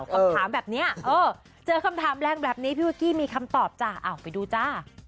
คำถามแบบนี้เออเจอคำถามแรงแบบนี้พี่วกกี้มีคำตอบจ้ะไปดูจ้า